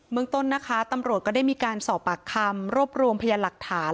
เมืองต้นนะคะตำรวจก็ได้มีการสอบปากคำรวบรวมพยานหลักฐาน